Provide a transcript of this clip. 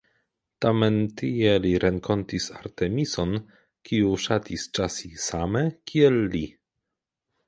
Tamen tie li renkontis Artemiso-n, kiu ŝatis ĉasi same, kiel li.